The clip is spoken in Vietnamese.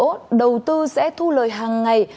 các bệnh viện tầng bốn sẽ thu lời hằng ngày